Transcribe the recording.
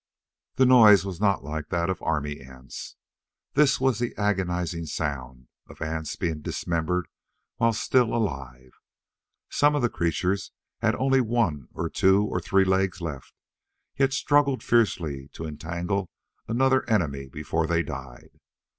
The noise was not like that of army ants. This was the agonizing sound of ants being dismembered while still alive. Some of the creatures had only one or two or three legs left, yet struggled fiercely to entangle another enemy before they died.